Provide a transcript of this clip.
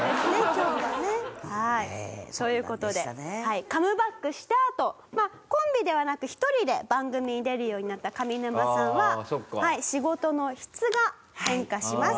そういう事でカムバックしたあとコンビではなく１人で番組に出るようになった上沼さんは仕事の質が変化します。